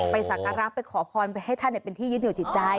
สักการะไปขอพรไปให้ท่านเป็นที่ยึดเหนียวจิตใจ